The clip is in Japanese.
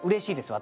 私